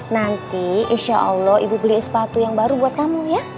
nanti insya allah ibu beli sepatu yang baru buat kamu ya